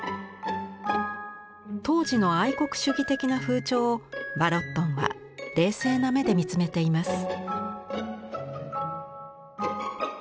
当時の愛国主義的な風潮をヴァロットンは冷静な目で見つめています。